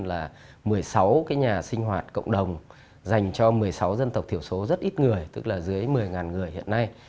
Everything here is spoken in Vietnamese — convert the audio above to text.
là một mươi sáu cái nhà sinh hoạt cộng đồng dành cho một mươi sáu dân tộc thiểu số rất ít người tức là dưới một mươi người hiện nay